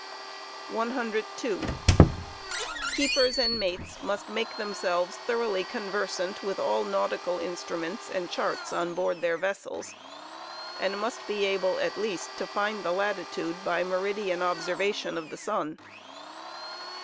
^KMpera^and . 102. Keepers and mates must male themselves thoroughly conversant with all toill^o^m naufc * cal instruments aQ(1 charts on board their vessels, and must be able, at least, to umb y o aerva ^ e latitude by meridian observation of the sun.